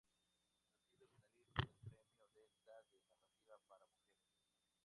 Ha sido finalista del Premio Delta de Narrativa para Mujeres.